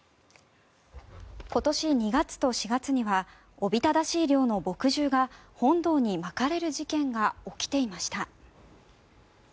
今年２月と４月にはおびただしい量の墨汁が本堂にまかれる事件が起きていました。